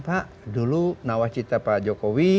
pak dulu nawas cita pak jokowi